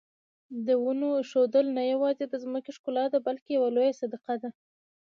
د ونو ایښودل نه یوازې د ځمکې ښکلا ده بلکې یوه لویه صدقه ده.